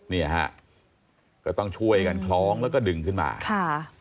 เนี่ยฮะก็ต้องช่วยกันคล้องแล้วก็ดึงขึ้นมาค่ะ